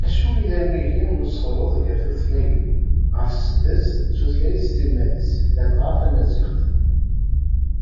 Acu i d amihi n usexleḍ gar tutlayin ɣef tseddast d tutlayt s timmad-is, ladɣa tamaziɣt?